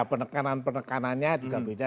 penekanan penekanannya juga beda